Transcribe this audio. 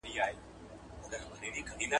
خپل ماشومان په هر کمپاین کې واکسین کړئ.